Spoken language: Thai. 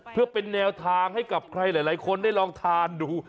เพื่อเป็นแนวทางให้กับใครหลายคนได้ลองทานดู